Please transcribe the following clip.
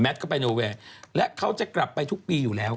แมทก็ไปนอเวย์และเขาจะกลับไปทุกปีอยู่แล้วค่ะ